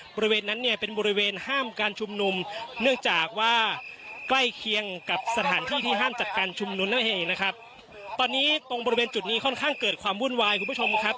บริเวณนั้นเนี่ยเป็นบริเวณห้ามการชุมนุมเนื่องจากว่าใกล้เคียงกับสถานที่ที่ห้ามจัดการชุมนุมนั่นเองนะครับตอนนี้ตรงบริเวณจุดนี้ค่อนข้างเกิดความวุ่นวายคุณผู้ชมครับ